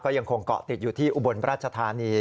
ยังคงเกาะติดอยู่ที่อุบลราชธานี